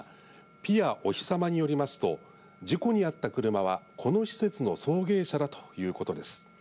ぴあおひさまによりますと事故にあった車はこの施設の送迎車だということです。